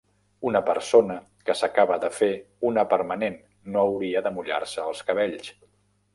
Una persona que s'acaba de fer una permanent no hauria de mullar-se els cabells.